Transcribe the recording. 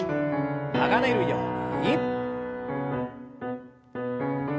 流れるように。